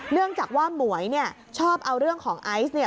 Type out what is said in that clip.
เนื่องจากว่าหมวยเนี่ยชอบเอาเรื่องของไอซ์เนี่ย